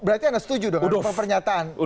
berarti anda setuju dengan pernyataan ferdinand